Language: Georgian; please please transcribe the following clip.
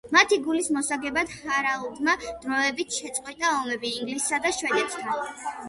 მათი გულის მოსაგებად, ჰარალდმა დროებით შეწყვიტა ომები ინგლისსა და შვედეთთან.